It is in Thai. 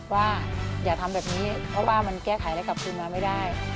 ว่าอย่าทำแบบนี้เพราะว่ามันแก้ไขอะไรกลับคืนมาไม่ได้